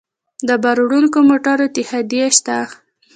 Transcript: د بار وړونکو موټرو اتحادیې شته